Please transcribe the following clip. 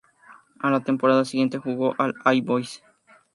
A la temporada siguiente jugó en All Boys.